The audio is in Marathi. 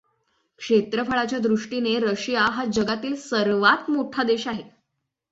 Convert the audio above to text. क्षेत्रफळाच्या दृष्टीने रशिया हा जगातील सर्वात मोठा देश आहे.